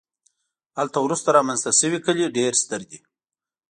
هلته وروسته رامنځته شوي کلي ډېر ستر دي